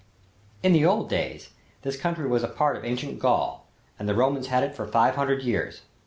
In the old days this country was a part of ancient Gaul and the Romans had it for five hundred years.